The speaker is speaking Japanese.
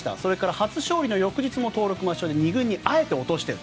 初勝利の翌日も登録抹消で２軍にあえて落としている。